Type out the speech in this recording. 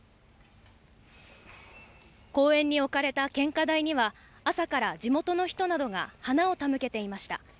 公園に置かれた献花台には、朝から地元の人などが花を手向けていました。